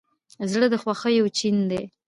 زړه د خوښیو چین دی.